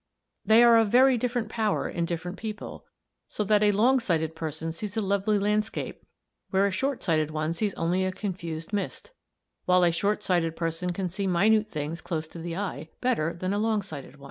They are of very different power in different people, so that a long sighted person sees a lovely landscape where a short sighted one sees only a confused mist; while a short sighted person can see minute things close to the eye better than a long sighted one."